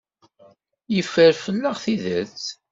Yeffer fell-aɣ tidet.